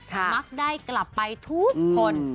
มักได้กลับไปทุกคน